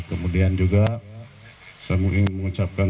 kemudian juga saya ingin mengucapkan